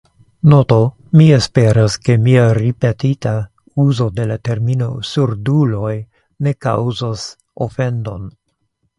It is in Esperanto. Noto: Mi esperas, ke mia ripetita uzo de la termino surduloj ne kaŭzos ofendon.